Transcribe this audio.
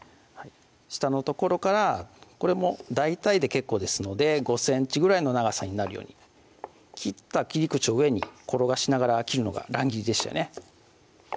下の所からこれも大体で結構ですので５ｃｍぐらいの長さになるように切った切り口を上に転がしながら切るのが乱切りでしたよね